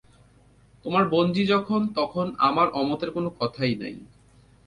তোমার বোনঝি যখন, তখন আমার অমতের কোনো কথাই নাই।